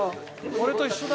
俺と一緒だ」